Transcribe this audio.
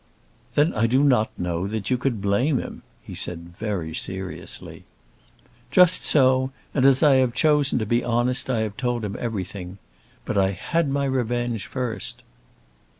"Then I do not know that you could blame him," he said very seriously. "Just so; and as I have chosen to be honest I have told him everything. But I had my revenge first."